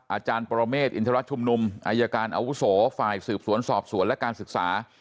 อาจารย์ปรเมฆอินทรชุมนุมอายการอาวุโสฝ่ายสืบสวนสอบสวนและการศึกษา